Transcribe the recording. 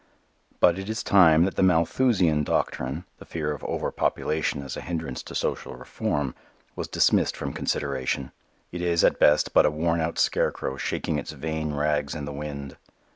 But it is time that the Malthusian doctrine, the fear of over population as a hindrance to social reform, was dismissed from consideration. It is at best but a worn out scarecrow shaking its vain rags in the wind.